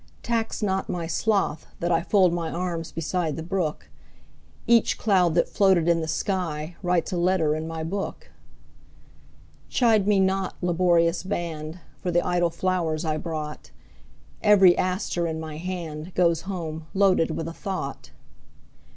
Tax not my sloth that IFold my arms beside the brook; Each cloud that floated in the skyWrites a letter in my book. Chide me not, laborious band, For the idle flowers I brought; Every aster in my handGoes home loaded with a thought.